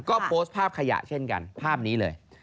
ก็โพสต์ภาพขยะเช่นกันภาพนี้เลย